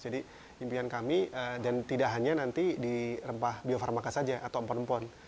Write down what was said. jadi impian kami dan tidak hanya nanti di rempah biofarmaka saja atau empon empon